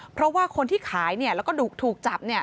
เพราะว่าคนที่ขายแล้วก็ถูกจับ